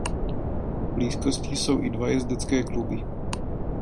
V blízkosti jsou i dva jezdecké kluby.